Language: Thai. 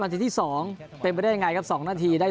นาทีที่สองเป็นไปได้ยังไงครับสองนาทีได้